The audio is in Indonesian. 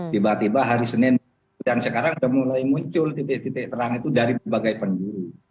tiba tiba hari senin dan sekarang sudah mulai muncul titik titik terang itu dari berbagai penjuru